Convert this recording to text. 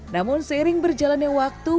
namun seiring berjalannya waktu